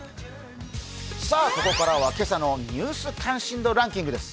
ここからは今朝の「ニュース関心度ランキング」です。